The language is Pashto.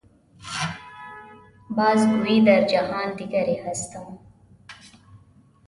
باز گوئی در جهان دیگری هستم.